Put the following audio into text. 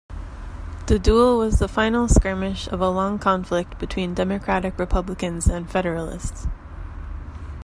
The duel was the final skirmish of a long conflict between Democratic-Republicans and Federalists.